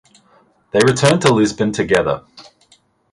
They returned to Lisbon together.